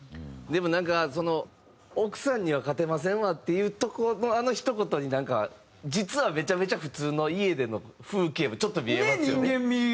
でも奥さんには勝てませんわっていうとこのあのひと言に実はめちゃめちゃ普通の家での風景もちょっと見えますよね。